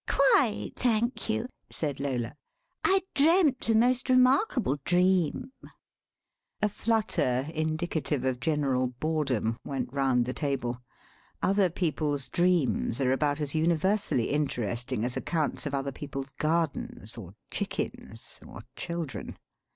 "Quite, thank you," said Lola; "I dreamt a most remarkable dream." A flutter, indicative of general boredom; went round the table. Other people's dreams are about as universally interesting as accounts of other people's gardens, or chickens, or children.